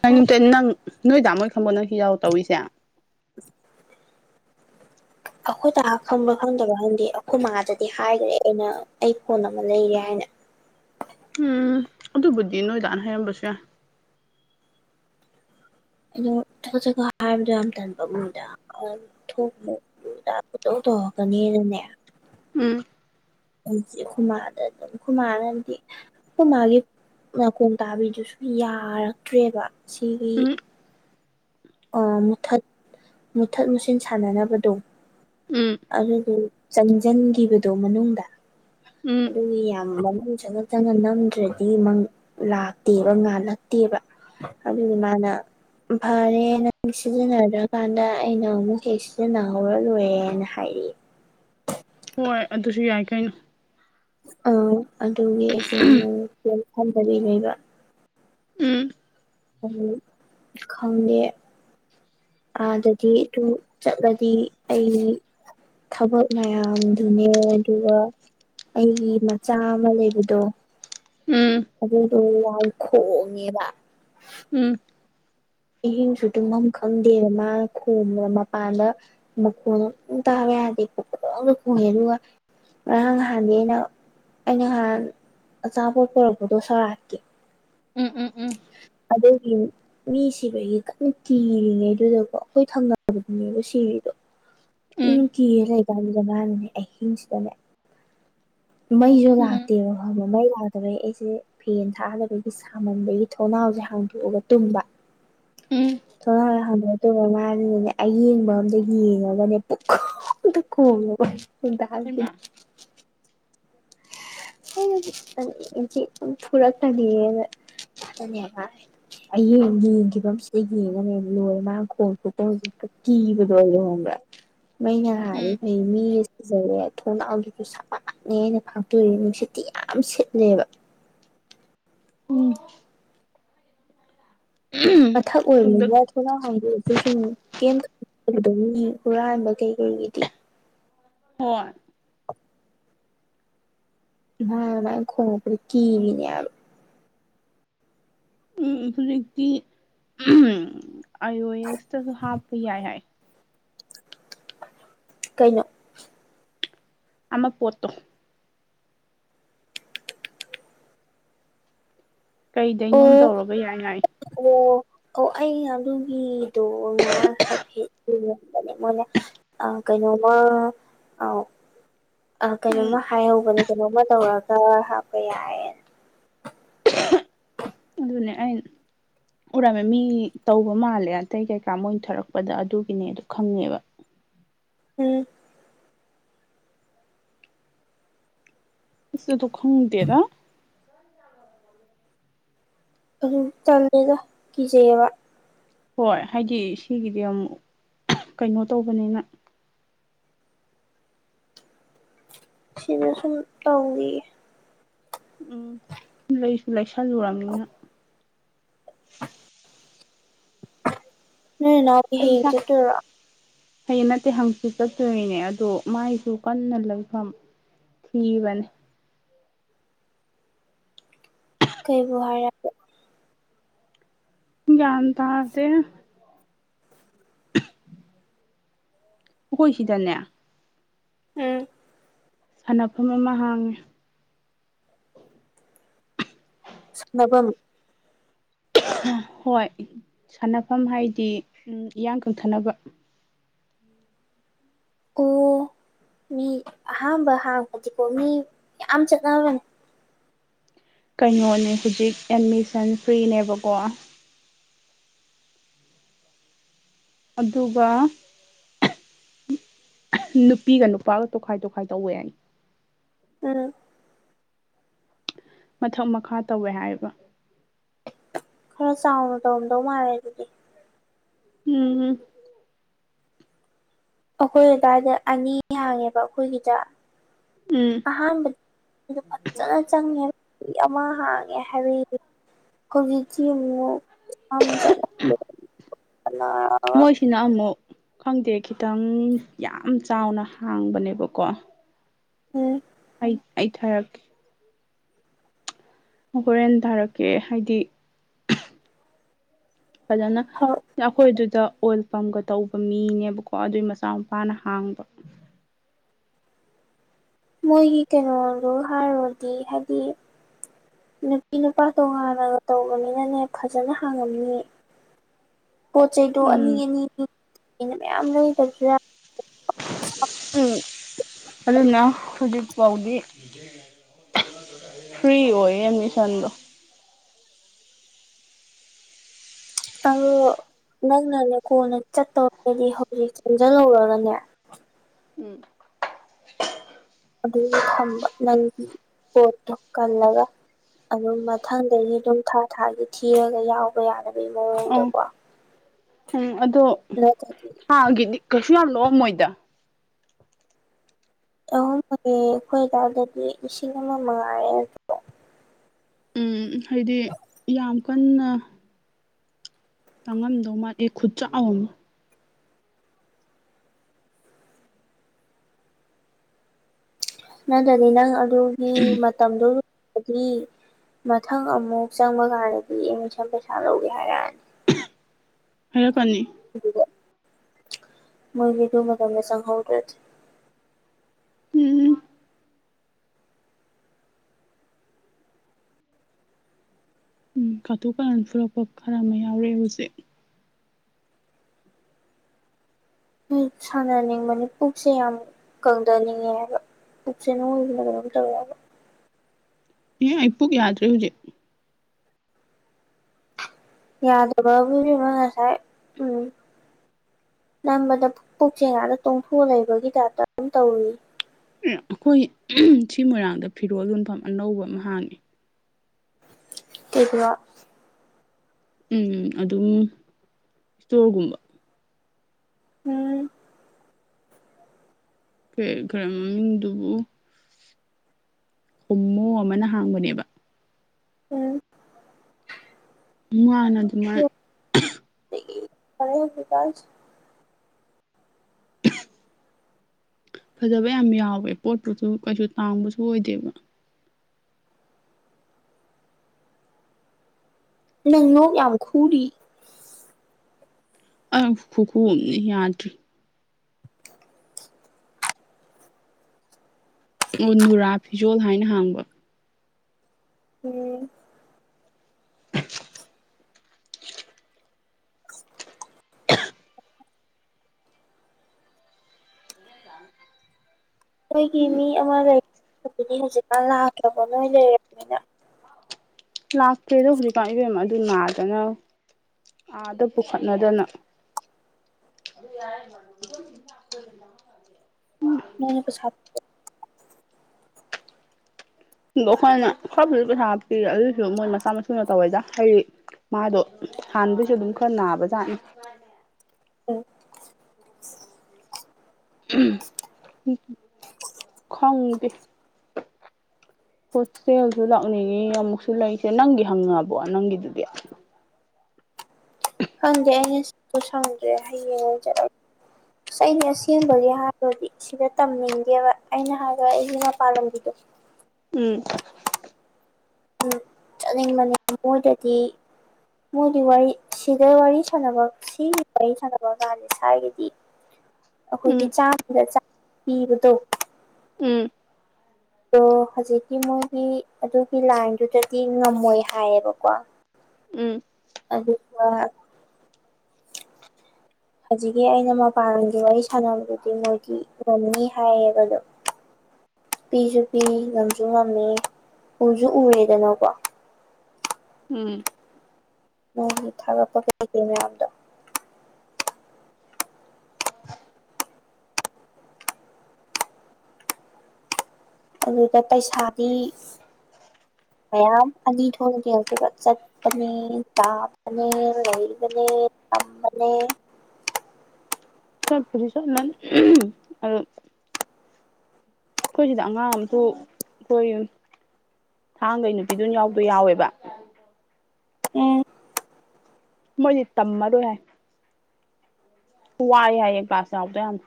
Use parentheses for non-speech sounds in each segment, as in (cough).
(unintelligible) ꯅꯪ ꯅꯣꯏ ꯇꯥꯃꯣꯏ ꯈꯪꯕꯣ ꯅꯪ ꯁꯤ ꯌꯥꯎ ꯇꯧꯔꯤꯁꯦ (inaudible) (inaudible) ꯑꯩꯈꯣꯏ ꯗꯥ ꯈꯪꯕ꯭ꯔꯥ ꯈꯪꯗꯕ꯭ꯔꯥ ꯈꯪꯗꯦ ꯑꯩꯈꯣꯏ ꯃꯥꯗꯗꯤ ꯍꯥꯏꯈ꯭ꯔꯦ ꯑꯩꯅ ꯑꯩ ꯐꯣꯟ ꯑꯃ ꯂꯩꯔꯦ ꯍꯥꯏꯅ ꯎꯝ ꯑꯗꯨꯕꯨꯗꯤ ꯅꯣꯏ ꯗꯥꯅ ꯍꯥꯏꯔꯝꯕꯁꯨ ꯌꯥꯏ ꯑꯗꯣ ꯆꯒꯠ ꯆꯒꯠ ꯍꯥꯏꯕꯗꯣ ꯌꯥꯝ ꯇꯟꯕ ꯃꯣꯏꯗ ꯍꯣꯏ ꯊꯣꯛꯃꯣꯛ ꯒꯨꯟꯗꯥ ꯄꯪꯇꯧ ꯇꯧꯔꯛꯀꯅꯤꯅꯅꯦ ꯎꯝ ꯍꯧꯖꯤꯛ ꯈꯣꯏꯃꯥꯗ ꯑꯗꯨꯝ ꯈꯣꯏꯃꯥꯅꯗꯤ ꯈꯣꯏ ꯃꯥꯒꯤ ꯅꯥꯀꯣꯡ ꯇꯥꯕꯤꯗꯨꯁꯨ ꯌꯥꯔꯛꯇ꯭ꯔꯦꯕ ꯁꯤꯒꯤ ꯎꯝ ꯑ ꯃꯨꯊꯠ ꯃꯨꯊꯠ ꯃꯨꯁꯤꯟ ꯁꯥꯟꯅꯅꯕꯗꯣ ꯎꯝ ꯑꯗꯨꯗꯣ ꯆꯪꯁꯤꯟꯈꯤꯕꯗꯣ ꯃꯅꯨꯡꯗ ꯎꯝ ꯑꯗꯨꯒꯤ ꯌꯥ ꯌꯥꯝ ꯃꯅꯨꯡ ꯆꯪꯅ ꯆꯪꯅ ꯅꯝꯗ꯭ꯔꯗꯤ ꯂꯥꯛꯇꯦꯕ ꯉꯥꯜꯂꯛꯇꯦꯕ ꯑꯗꯨꯗꯤ ꯃꯥꯅ ꯐꯔꯦ ꯅꯪ ꯁꯤꯖꯤꯟꯅꯗ꯭ꯔꯀꯥꯟꯗ ꯑꯩꯅ ꯑꯃꯨꯛ ꯍꯦꯛ ꯁꯤꯖꯤꯟꯅꯍꯧꯔ ꯂꯣꯏꯔꯦꯅ ꯍꯥꯏꯔꯦ ꯍꯣꯏ ꯑꯗꯨꯁꯨ ꯌꯥꯏ ꯀꯩꯅꯣ ꯑꯧ ꯑꯗꯨꯒꯤ ꯑꯩꯁꯦ ꯑꯃꯨꯛ ꯀꯩꯏꯝ ꯈꯟꯗꯕꯤ ꯂꯩꯕ ꯎꯝ ꯑꯗꯨ ꯈꯪꯗꯦ ꯑꯥꯗꯗꯤ ꯑꯗꯨ ꯆꯠꯂꯗꯤ ꯑꯩ ꯊꯕꯛ ꯃꯌꯥꯝꯗꯨꯅꯦ ꯑꯗꯨꯒ ꯑꯩꯒꯤ ꯃꯆꯥ ꯑꯃ ꯂꯩꯕꯗꯣ ꯎꯝ ꯑꯗꯨꯗꯣ ꯂꯥꯎ ꯈꯣꯡꯉꯦꯕ ꯎꯝ ꯑꯍꯤꯡꯁꯨ ꯇꯨꯝꯐꯝ ꯈꯪꯗꯦ ꯃꯥꯅ ꯈꯣꯡꯕꯗ ꯃꯄꯥꯟꯗ ꯃꯈꯨꯣꯟꯗꯣ ꯇꯥꯕ ꯌꯥꯗꯦ ꯄꯪꯈꯣꯡꯗ ꯈꯣꯡꯉꯦ ꯑꯗꯨꯒ ꯉꯔꯥꯡ ꯅꯍꯥꯟꯗꯤ ꯑꯩꯅ ꯑꯩꯅ ꯅꯍꯥꯟ ꯑꯆꯥꯄꯣꯠ ꯄꯨꯔꯛꯄꯗꯣ ꯁꯤꯔꯥꯠꯀꯤ ꯎꯝ ꯎꯝ ꯎꯝ ꯑꯗꯨꯒꯤ ꯃꯤ ꯁꯤꯕꯒꯤ ꯀꯟꯅ ꯀꯤꯔꯤꯉꯩꯗꯨꯗꯀꯣ ꯑꯩꯈꯣꯏ ꯊꯪꯅꯕꯗꯨꯅꯦꯕ ꯁꯤꯔꯤꯗꯣ ꯎꯝ ꯑꯗꯨꯝ ꯀꯤꯔ ꯂꯩꯀꯥꯟꯗꯨꯗꯅꯦ ꯃꯥꯅꯅꯦ ꯑꯍꯤꯡꯁꯤꯗꯅꯦ ꯃꯩꯁꯨ ꯎꯝ ꯂꯥꯛꯇꯦꯕ ꯈꯪꯕ ꯃꯩ ꯂꯥꯛꯇꯕꯩ ꯑꯩꯁꯦ ꯐꯦꯟ ꯊꯥꯗꯕꯒꯤ ꯁꯥꯃꯟꯕꯒꯤ ꯊꯣꯡꯅꯥꯎꯁꯦ ꯍꯥꯡꯇꯣꯛꯑꯒ ꯇꯨꯝꯕ ꯎꯝ ꯊꫭꯡꯅꯥꯎꯋꯦ ꯍꯥꯡꯇꫭ ꯇꯧꯝꯃꯦꯃꯥꯖꯤꯅꯅꯦ ꯑꯌꯦꯡꯕ ꯑꯝꯗ ꯌꯦꯡꯉꯒꯅꯦ ꯄꯨꯡꯈꫭꯡꯗ ꯈꫭꯡꯕꯀꫭ ꯅꯨꯡꯗꯥꯡꯖꯦ ꯍꯩꯃꯥ ꯐꯨꯔꯛ ꯆꯅꯤ (unintelligible) ꯍꯌꯦꯡ ꯌꯦꯡꯈꯤꯕꯁꯤꯗ ꯌꯦꯡꯉꯅꯦ ꯂꯣꯏꯔꯦ ꯃꯥꯅ ꯈꯣꯡꯉꯤ ꯈꯨꯈꫭꯡꯖꯦ ꯍꯦꯛꯇ ꯀꯤꯕꯗꯣ ꯑꯩꯖꯩ ꯈꯪꯕꯔꯥ ꯃꯩꯅ ꯉꯥꯜꯂꯗꯤ ꯎꯝ ꯐꯩ ꯃꯤꯁꯦ ꯁꯤꯖꯔꯦ ꯊꯣꯡꯅꯥꯎꯖꯤꯖꯨ ꯁꯥꯕꯥꯛꯅꯤ ꯑꯩꯅ ꯐꯥꯛꯇꯣꯛꯏ ꯅꯨꯡꯁꯤꯠꯇꯤ ꯌꯥꯝ ꯁꯤꯠꯂꯦꯕ ꯎꯝ ꯃꯊꯛ ꯑꯣꯏꯕ ꯇꯨꯡꯗ ꯌꯥ ꯍꯨꯔꯥ ꯍꯥꯏꯗꯑꯁꯨ ꯁꯨꯝꯦꯝꯗ ꯍꯨꯔꯥꯥꯟꯕ ꯀꯩꯀꯔꯤꯒꯤꯗꯤ (unintelligible) ꯍꯣꯏ ꯃꯥ ꯑꯗꯥꯟ ꯀꯣꯡꯉꯛꯄꯗꫭ ꯀꯤꯔꯤꯅꯤ ꯍꯥꯏꯕ ꯎꯝ ꯍꯧꯖꯤꯛꯇꯤ ꯑꯥꯏ ꯑꯣ ꯑꯦꯁꯇꯁꯨ ꯍꯥꯞꯄ ꯌꯥꯏ ꯍꯥꯏ ꯀꯩꯅꯣ ꯑꯃ ꯄꯣꯠꯇꯣ ꯀꯩꯗꯩꯅꯣꯝ ꯑꯣ ꯇꯧꯔꯒ ꯌꯥꯏ ꯍꯥꯏ ꯑꯣ ꯑꯣ ꯑꯩ ꯑꯗꯨꯒꯤꯗꯣ ꯉꯔꯥꯡ ꯍꯥꯏꯐꯦꯠ ꯅꯦ ꯃꯣꯏꯅ ꯑ ꯀꯩꯅꯣꯃ ꯑ ꯑ ꯎꯝ ꯀꯩꯅꯣꯝꯃ ꯍꯥꯏꯍꯧꯕꯅꯦ ꯀꯩꯅꯣꯝꯃ ꯇꯧꯔꯒ ꯍꯥꯞꯄ ꯌꯥꯏꯅ ꯑꯗꯨꯅꯦ ꯑꯩꯅ ꯎꯔꯝꯃꯦ ꯃꯤ ꯇꯧꯕ ꯃꯥꯜꯂꯦ ꯑꯇꯩ ꯀꯩꯀꯥ ꯃꯣꯏꯊꯔꯛꯄꯗ ꯑꯗꯨꯒꯤꯅꯦꯗꯣ ꯈꯪꯉꯦꯕ ꯎꯝ ꯏꯁ ꯑꯗꯨ ꯈꯪꯗꯦꯗ ꯑꯗꯨ ꯇꯜꯂꯤꯗ ꯀꯤꯖꯩꯑꯦꯕ ꯍꯣꯏ ꯍꯥꯏꯗꯤ ꯁꯤꯒꯤꯗꯤ ꯑꯃꯨꯛ ꯀꯩꯅꯣ ꯇꯧꯕꯅꯤꯅ ꯁꯤꯗꯁꯨꯝ ꯇꯧꯋꯤ ꯎꯝ ꯂꯩꯁꯨ ꯂꯩꯁꯟꯂꯨꯔꯝꯅꯤꯅꯥ ꯅꯣꯏ ꯅꯅꯥꯎꯄꯤ ꯑꯩ ꯍꯌꯦꯡ ꯏꯁꯥ ꯆꯠꯇꯣꯏꯔꯣ ꯍꯌꯦꯡ ꯅꯠꯇꯦ ꯍꯥꯡꯆꯤꯠ ꯆꯠꯇꫭꯏꯅꯦ ꯑꯗꯣ ꯃꯥꯏꯁꯨ ꯀꯟꯅ ꯂꯩꯐꯝ ꯊꯤꯕꯅꯦ ꯀꯩꯕꯨ ꯍꯥꯏꯔꯛꯀꯦ ꯒꯌ꯭ꯥꯟ ꯇꯥꯗꯦ ꯑꯩꯈꯣꯏ ꯁꯤꯗꯅꯦ ꯎꯝ ꯁꯥꯟꯅꯐꯝ ꯑꯃ ꯍꯥꯡꯉꯦ ꯁꯥꯟꯅꯕꯝ ꯍꯣꯏ ꯁꯥꯟꯅꯐꯝ ꯍꯥꯏꯗꯤ ꯏꯌꯥꯡ ꯀꯪꯊꯅꯕ ꯑꯣ ꯃꯤ ꯑꯍꯥꯝꯕ ꯍꯥꯡꯕꯗꯤꯀꯣ ꯃꯤ ꯌꯥꯝ ꯆꯠꯅꯕꯅꯦ ꯀꯩꯅꯣꯅꯦ ꯍꯧꯖꯤꯛ ꯑꯦꯠꯃꯤꯁꯟ ꯐ꯭ꯔꯤꯅꯦꯕꯀꯣ ꯑꯗꯨꯒ ꯅꯨꯄꯤꯒ ꯅꯨꯄꯥꯒ ꯇꯣꯈꯥꯏ ꯇꯣꯈꯥꯏ ꯇꯧꯋꯦ ꯍꯥꯏꯅꯤ ꯎꯝ ꯃꯊꯛ ꯃꯈꯥ ꯇꯧꯋꯦ ꯍꯥꯏꯌꯦꯕ ꯈꯔ ꯆꯥꯎꯅ ꯇꯧꯔꯝꯗꯧ ꯃꯥꯜꯂꯦ ꯑꯗꯨꯗꯤ ꯎꯝ ꯑꯩꯈꯣꯏ ꯑꯗꯥꯏꯗ ꯑꯅꯤ ꯍꯥꯡꯉꯦꯕ ꯑꯩꯈꯣꯏꯒꯤꯗ ꯎꯝ ꯑꯍꯟꯕꯗꯥ ꯐꯖꯅꯥ ꯆꯪꯉꯦ ꯑꯃ ꯍꯥꯡꯉꯦ ꯍꯥꯏꯕ ꯍꯧꯖꯤꯛꯁꯤ ꯑꯃꯨꯛ ꯆꯠ (unintelligible) ꯁꯤꯅ ꯑꯃꯨꯛ ꯈꯪꯗꯦ ꯈꯤꯇꯪ ꯌꯥꯝ ꯆꯥꯎꯅ ꯍꯥꯡꯕꯅꯦꯕꯀꯣ ꯎꯝ ꯑꯩ ꯑꯩ ꯊꯥꯔꯛꯀꯦ ꯍꯣꯔꯦꯟ ꯊꯥꯔꯛꯀꯦ ꯍꯥꯏꯗꯤ ꯐꯖꯅ ꯊꯥꯔꯛꯑꯣ ꯑꯩꯈꯣꯏ ꯑꯗꯨꯗ ꯑꯣꯏꯜ ꯄꯝꯒ ꯇꯧꯕ ꯃꯤꯅꯦꯕꯀꯣ ꯑꯗꯨꯏ ꯃꯆꯥꯅꯨꯄꯥꯅ ꯍꯥꯡꯕ ꯃꯣꯏꯒꯤ ꯀꯩꯅꯣꯗꯨꯒꯥ ꯍꯥꯏꯔꯨꯔꯥꯗꯤ ꯍꯥꯏꯗꯤ ꯅꯨꯄꯤ ꯅꯨꯄꯥ ꯇꯉꯥꯟꯅ ꯇꯧꯕꯅꯤꯅꯅꯦ ꯐꯖꯅ ꯍꯥꯡꯉꯝꯅꯤꯌꯦ ꯄꯣꯠ ꯆꯩꯗꯣ ꯑꯅꯤ ꯎꯝ ꯑꯅꯤ ꯇꯧꯗꯣꯏꯅꯤꯅꯥ ꯃꯌꯥꯝ ꯂꯩꯗꯕꯁꯨ ꯌꯥꯔꯣꯏ ꯎꯝ ꯑꯗꯨꯅ ꯍꯧꯖꯤꯛꯐꯥꯎꯗꯤ ꯐ꯭ꯔꯤ ꯑꯣꯏꯌꯦ ꯑꯦꯗꯃꯤꯁꯟꯗꯣ ꯑꯗꯣ ꯅꯪꯅꯅꯦ ꯀꯣꯟꯅ ꯆꯠꯇꯧꯔꯒꯗꯤ ꯍꯧꯖꯤꯛ ꯆꯪꯁꯤꯜꯍꯧꯔꯒꯅꯦ ꯎꯝ ꯑꯗꯨꯒ ꯊꯝꯕ ꯅꯪꯒꯤ ꯄꯣꯠꯇꯣ ꯀꯜꯂꯒ ꯑꯗꯨꯝ ꯃꯊꯪꯗꯩꯩꯒꯤ ꯑꯗꯨꯝ ꯊꯥ ꯊꯥꯒꯤ ꯊꯤꯔꯒ ꯌꯥꯎꯕ ꯌꯥꯅꯕꯒꯤ ꯑꯣ ꯃꯑꯣꯡꯗꯀꯣ ꯎꯝ ꯑꯗꯣ ꯅꯠꯇꯔꯗꯤ ꯊꯥꯒꯤꯗꯤ ꯀꯩꯁꯨ ꯌꯥꯝ ꯂꯧꯔꯝꯃꯣꯏꯗ ꯑꯍꯨꯝꯕꯨꯗꯤ ꯑꯩꯈꯣꯏꯗꯥꯎꯗꯗꯤ ꯂꯤꯁꯤꯡ ꯑꯃ ꯃꯉꯥꯏꯔꯦ ꯑꯗꯨ ꯎꯝ ꯍꯥꯏꯗꯤ ꯌꯥꯝ ꯀꯟꯅ ꯇꯪꯉꯝꯗꯧ ꯃꯥꯜꯂꯦ ꯈꯨꯠꯆꯥꯎ ꯑꯃꯥ ꯅꯠꯇ꯭ꯔꯗꯤ ꯅꯪ ꯑꯗꯨꯒꯤ ꯃꯇꯝꯗꯨꯗꯤ ꯃꯊꯪ ꯑꯃꯨꯛ ꯆꯪꯕ ꯀꯥꯟꯗꯗꯤ ꯑꯦꯠꯃꯤꯁꯟ ꯄꯩꯁꯥ ꯂꯧꯒꯦ ꯍꯥꯏꯔꯛꯑꯅꯤ ꯍꯥꯏꯔꯛꯀꯅꯤ ꯑꯗꯨꯗ ꯃꯣꯏꯗꯤ ꯑꯗꯨ ꯃꯇꯝꯗ ꯆꯪꯍꯧꯗ꯭ꯔꯗꯤ ꯎꯝ ꯎꯝ ꯀꯥꯇꯨ ꯀꯥꯔꯟ ꯐꯨꯔꯛꯄ ꯈꯔ ꯑꯃ ꯌꯥꯎꯔꯛꯑꯦ ꯍꯧꯖꯤꯛ ꯑꯩ ꯁꯥꯟꯅꯅꯤꯡꯕꯅꯦ ꯄꯨꯛꯁꯦ ꯌꯥꯝ ꯀꯪꯊꯅꯤꯡꯉꯦꯕ ꯍꯥꯏꯕ ꯄꯨꯛꯁꯦ ꯅꯣꯏꯕꯅ ꯀꯩꯅꯣꯝ ꯇꯧꯔꯦ ꯍꯥꯏꯕ ꯑꯦ ꯑꯩ ꯄꯨꯨꯛ ꯌꯥꯗ꯭ꯔꯦ ꯍꯧꯖꯤꯛ ꯌꯥꯗꯕꯕꯨ ꯏꯕꯦꯝꯃ ꯉꯁꯥꯏ ꯎꯝ ꯅꯝꯕꯗ ꯄꯨꯛꯁꯦ ꯉꯥꯛꯗ ꯇꯣꯡꯊꯣꯛꯑ ꯂꯩꯕꯒꯤ ꯇꯥꯛꯇ ꯑꯗꯨꯝ ꯇꯧꯏ ꯑꯩꯈꯣꯏ ꯁꯤ ꯃꯣꯏꯔꯥꯡꯗ ꯐꯤꯔꯣꯜ ꯌꯣꯟꯐꯝ ꯑꯅꯧꯕ ꯑꯃ ꯍꯥꯡꯉꯦ ꯀꯩ ꯐꯤꯔꯣꯜ ꯎꯝ ꯑꯗꯨꯝ ꯏꯁꯇꯣꯔꯒꯨꯝꯕ ꯎꯝ ꯀꯔꯤ ꯀꯔꯤ ꯃꯃꯤꯡꯗꯨꯕꯨ ꯍꯨꯝꯃꯨ ꯑꯃꯅ ꯍꯥꯡꯕꯅꯦꯕ ꯎꯝ ꯃꯥꯅ ꯑꯗꯨꯃꯥꯏ ꯐꯔꯦ ꯍꯧꯖꯤꯛꯀꯥꯟ ꯐꯖꯕ ꯌꯥꯝ ꯌꯥꯎꯋꯦ ꯄꯣꯠꯄꯨꯁꯨ ꯀꯩꯁꯨ ꯇꯥꯡꯕꯁꯨ ꯑꯣꯏꯗꯦꯕ ꯅꯪ ꯂꯣꯛ ꯌꯥꯝ ꯈꯨꯔꯤ ꯑꯦ ꯈꯨꯈꯨ ꯑꯃꯅꯤ ꯌꯥꯗ꯭ꯔꯤ ꯑꯣ ꯅꯨꯔꯥ ꯐꯤꯖꯣꯜ ꯍꯥꯏꯅ ꯍꯥꯡꯕ ꯑꯣ ꯅꯣꯏꯒꯤ ꯃꯤ ꯑꯃ ꯂꯩꯗꯨꯗꯤ ꯍꯧꯖꯤꯛꯀꯥꯟ ꯂꯥꯛꯇ꯭ꯔꯕꯣ ꯅꯣꯏ ꯂꯩꯔꯕꯅꯤꯅ ꯂꯥꯛꯇꯦꯗ꯭ꯔ ꯍꯧꯖꯤꯛ ꯀꯥꯟ ꯏꯕꯦꯃ ꯑꯗꯨ ꯅꯥꯗꯅ ꯑꯥꯗ ꯄꯨꯈꯠꯅꯗꯅ (unintelligible) ꯅꯣꯏꯅ ꯄꯩꯁꯥ ꯄꯨꯊꯣꯛ ꯑꯗꯣ ꯑꯩꯈꯣꯏꯅ ꯈꯔꯕꯨꯁꯨ ꯄꯩꯁꯥ ꯍꯥ ꯄꯤꯔꯦ ꯑꯗꯨꯁꯨ ꯃꯣꯏ ꯃꯆꯥ ꯃꯁꯨꯅ ꯇꯧꯋꯦꯗ ꯍꯥꯏꯗꯤ ꯃꯥꯗꯣ ꯍꯥꯟꯗꯩꯁꯨ ꯑꯗꯨꯝ ꯈꯔ ꯅꯥꯕꯖꯥꯠꯅꯤ (inaudible) ꯈꯪꯗꯦ ꯍꯣꯁꯇꯦꯜꯁꯨ ꯂꯥꯛꯅꯤꯡꯉꯤ ꯑꯃꯨꯛꯁꯨ ꯂꯩꯁꯦ ꯅꯪꯒꯤ ꯍꯪꯉꯕꯣ ꯅꯪꯒꯤꯗꯨꯗꯤ ꯈꯪꯗꯦ ꯑꯩꯅꯁꯨ ꯁꯪꯗ꯭ꯔꯦ ꯍꯌꯦꯡ ꯑꯣꯏꯅ ꯆꯠꯂꯒꯦ ꯑꯁ ꯑꯩꯅ ꯑꯁꯦꯡꯕꯒꯤ ꯍꯥꯏꯔꯗꯤ ꯁꯤꯗ ꯇꯝꯅꯤꯡꯗꯦꯕ ꯑꯩꯅ ꯍꯥꯏꯕ ꯑꯩꯒꯤ ꯃꯄꯥꯥꯟꯂꯝꯒꯤꯗꯣ ꯎꯝ ꯆꯠꯅꯤꯡꯕꯅꯦ ꯃꯣꯏꯗꯗꯤ ꯃꯣꯏꯗꯤ ꯋꯥꯔꯤ ꯁꯤꯗ ꯋꯥꯔꯤ ꯁꯥꯟꯅꯕ ꯁꯤꯒꯤ ꯋꯥꯔꯤ ꯁꯥꯟꯅꯕ ꯀꯥꯟꯗ ꯁ꯭ꯋꯥꯏꯒꯤꯗꯤ (inaudible) ꯑꯩꯈꯣꯏꯒꯤ ꯆꯥꯝꯃꯗ ꯆꯥꯝꯃ ꯄꯤꯕꯗꯣ ꯎꯝ ꯑꯗꯣ ꯍꯧꯖꯤꯛꯀꯤ ꯃꯣꯏꯒꯤ ꯑꯗꯨꯒꯤ ꯂꯥꯏꯟꯗꯨꯗꯗꯤ ꯉꯝꯃꯣꯏ ꯍꯥꯏꯌꯦꯕꯀꯣ ꯎꯝ ꯑꯗꯨꯒ (unintelligible) ꯍꯧꯖꯤꯛꯀꯤ ꯑꯩꯅ ꯃꯄꯥꯟ ꯂꯝꯒꯤ ꯋꯥꯔꯤ ꯁꯥꯟꯅꯕꯗꯨꯗꯤ ꯃꯣꯏꯒꯤ ꯉꯝꯅꯤ ꯍꯥꯏꯌꯦꯕ ꯑꯗꯣ (unintelligible) ꯄꯤꯁꯨ ꯄꯤ ꯉꯝꯁꯨ ꯉꯝꯃꯤ ꯎꯁꯨ ꯎꯔꯦꯗꯅꯀꯣ ꯎꯝ ꯃꯣꯏꯒꯤ ꯊꯥꯒꯠꯄ ꯀꯩꯀꯩ ꯃꯌꯥꯝꯗꯣ ꯑꯗꯨꯗ ꯄꯩꯁꯥꯗꯤ ꯃꯌꯥꯝ ꯑꯅꯤ ꯊꯣꯛ ꯌꯦꯡꯈꯤꯕ ꯆꯠ ꯅꯤ ꯆꯥꯕꯅꯦ ꯂꯩꯕꯅꯦ ꯇꯝꯕꯅꯦ ꯆꯠꯄꯨꯗꯤ ꯆꯠꯂꯅꯤ ꯑꯗꯨ ꯑꯩꯈꯣꯏ ꯁꯤꯗ ꯑꯉꯥꯡ ꯑꯃꯁꯨ ꯑꯩꯈꯣꯏ ꯊꯥꯡꯒꯒꯤ ꯅꯨꯄꯤꯗꯨꯅ ꯌꯥꯎꯕꯗꯣ ꯌꯥꯎꯋꯦꯕ ꯎꯝ ꯃꯣꯏꯗꯤ ꯇꯝꯃꯔꯣꯏ ꯍꯥꯏ ꯋꯥꯏ ꯍꯥꯏꯌꯦ ꯀ꯭ꯂꯥꯁ ꯌꯥꯎꯕꯗꯣ ꯌꯥꯝꯅ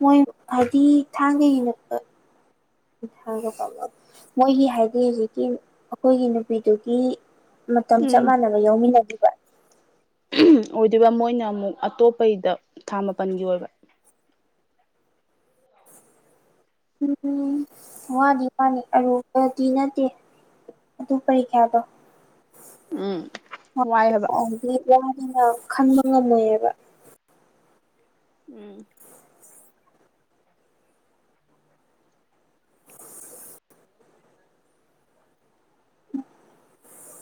ꯃꯣꯏ ꯍꯥꯏꯗꯤ ꯊꯥꯡꯒꯒꯤ ꯃꯣꯏꯒꯤ ꯍꯥꯏꯗꯤ ꯍꯧꯖꯤꯛꯀꯤ ꯑꯩꯈꯣꯏꯒꯤ ꯅꯨꯄꯤꯗꯨꯒꯤ ꯃꯇꯝ ꯆꯞ ꯎꯝ ꯃꯥꯟꯅꯕ ꯌꯥꯎꯃꯤꯟꯅ ꯑꯣꯏꯗꯣꯏꯕ ꯃꯣꯏꯅ ꯑꯃꯨꯛ ꯑꯇꯣꯞꯄꯩꯗ ꯊꯥ ꯃꯥꯄꯟꯒꯤ ꯑꯣꯏꯕ ꯎꯝ ꯋꯥꯗꯤ ꯋꯥꯅꯤ ꯑꯔꯨꯕꯗꯤ ꯅꯠꯇꯦ ꯑꯗꯨ ꯀꯔꯤ ꯀꯥꯏꯕ ꯎꯝ ꯋꯥꯏ ꯍꯥꯏꯕ ꯗꯤ ꯋꯥꯗꯅ ꯈꯟꯕ ꯉꯝꯃꯣꯏꯌꯦꯕ ꯎꯝ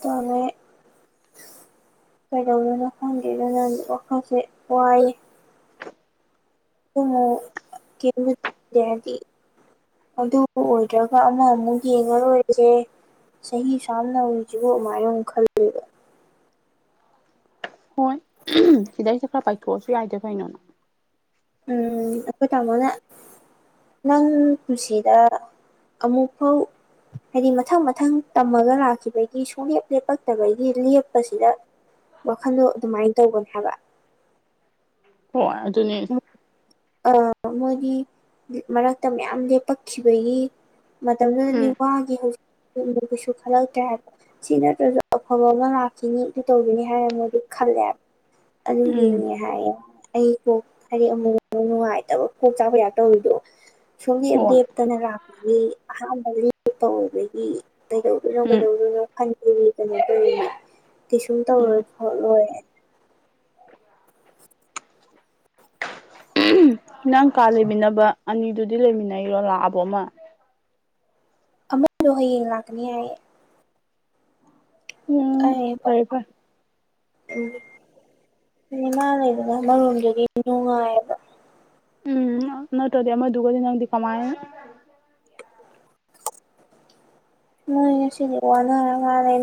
ꯇ (inaudible) ꯀꯩꯗꯧꯗꯣꯏꯅꯣ ꯈꯪꯗꯦꯗꯨꯅ ꯋꯥꯈꯜꯁꯦ ꯋꯥꯏꯌꯦ ꯀꯗꯤ (inaudible) ꯑꯗꯨꯕꯨ ꯑꯣꯏꯗ꯭ꯔꯒ ꯑꯃ ꯑꯃꯨꯛ ꯌꯦꯡꯉ ꯂꯣꯏꯔꯦꯁꯦ ꯆꯍꯤ ꯁꯨꯛꯌꯥꯝ ꯅꯧꯔꯤꯁꯤꯕꯨ ꯑꯗꯨꯃꯥꯏꯅ ꯑꯃꯨꯛ ꯈꯜꯂꯦꯕ ꯍꯣꯏ ꯁꯤꯗꯩꯁꯤꯗ ꯈꯔ ꯄꯥꯏꯊꯣꯛꯑꯁꯨ ꯌꯥꯏꯗ ꯀꯩꯅꯣ ꯎꯝ ꯑꯈꯣꯏ ꯇꯥꯃꯣꯅ ꯅꯪ ꯄꯨꯟꯁꯤꯗ ꯑꯃꯨꯛꯐꯥꯎ ꯍꯥꯏꯗꯤ ꯃꯊꯪ ꯃꯊꯪ ꯇꯝꯃꯒ ꯂꯥꯛꯈꯤꯕꯒꯤ ꯁꯨꯡꯂꯦꯞ ꯂꯦꯞꯂꯛꯇꯕꯒꯤ ꯂꯦꯞꯄꯁꯤꯗ ꯋꯥꯈꯟꯗꯣ ꯑꯗꯨꯃꯥꯏꯅ ꯇꯧꯒꯅꯤ ꯍꯥꯏꯕ ꯍꯣꯏ ꯑꯗꯨꯅꯦ ꯑ ꯃꯣꯏꯒꯤ ꯃꯔꯛꯇ ꯃꯌꯥꯝ ꯂꯦꯞꯄꯛꯈꯤꯕꯒꯤ ꯃꯇꯝꯗꯨꯗꯗꯤ ꯎꯝ ꯋꯥꯒꯤ ꯍꯧꯖꯤꯛ ꯀꯩꯁꯨ ꯈꯜꯂꯛꯇ꯭ꯔꯦ ꯍꯥꯏꯕ ꯁꯤ ꯅꯠꯇ꯭ꯔꯁꯨ ꯑꯐꯕ ꯑꯃ ꯂꯥꯛꯈꯤꯅꯤ ꯑꯗꯨ ꯇꯧꯈꯤꯅꯤ ꯍꯥꯏꯅ ꯃꯣꯏꯗꯤ ꯈꯜꯂꯦꯕ ꯑꯗꯨ ꯎꯝ ꯌꯦꯡꯉꯦ ꯍꯥꯏꯌꯦ ꯑꯩ ꯀꯣꯛ ꯍꯥꯏꯗꯤ ꯑꯃꯨꯛ ꯑꯃꯨꯛ ꯅꯨꯡꯉꯥꯏꯇꯕ ꯀꯣꯛ ꯆꯥꯛꯄꯩ ꯇꯥꯏꯄ ꯇꯧꯔꯤꯗꯣ ꯁꯣꯝꯗꯗꯤ ꯍꯣꯏ ꯑꯩꯈꯣꯏꯅ ꯂꯥꯛꯄꯗꯗꯤ ꯑꯍꯥꯟꯕꯒꯤ ꯇꯧꯕꯒꯤ ꯀꯩꯗꯧꯗꯣꯏꯅꯣ ꯎꯝ ꯀꯩꯗꯧꯗꯣꯏꯅꯣ ꯈꯟꯕꯒꯤ ꯀꯩꯅꯣ ꯇꯧꯔꯤꯅꯤ ꯀꯩꯁꯨꯝ ꯇꯧꯔꯣꯏ ꯎꯝ ꯈꯣꯠꯂꯣꯏ ꯅꯪ ꯀꯥ ꯂꯩꯃꯤꯟꯅꯕ ꯑꯅꯤꯗꯨꯗꯤ ꯂꯩꯃꯤꯟꯅꯩꯔꯣ ꯂꯥꯛꯑꯕꯣ ꯃꯥ ꯑꯃꯗꯣ ꯍꯌꯦꯡ ꯂꯥꯛꯀꯅꯤ ꯍꯥꯏꯌꯦ ꯎꯝ ꯑꯩ ꯐꯔꯦ ꯀꯞꯄ ꯐꯔꯦ ꯎꯝ ꯏꯃꯥ ꯂꯩꯕꯅ ꯑꯃꯔꯣꯝꯗꯗꯤ ꯅꯨꯡꯉꯥꯏꯌꯦꯕ ꯎꯝ ꯅꯠꯇ꯭ꯔꯗꯤ ꯑꯃꯗꯨꯒꯗꯤ ꯅꯪꯗꯤ ꯀꯃꯥꯏ ꯃꯣꯏ ꯉꯁꯤꯗꯤ ꯋꯥꯅꯔ ꯃꯥꯜꯂꯦ